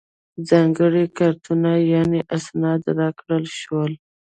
ځانګړي کارتونه یعنې اسناد راکړل شول.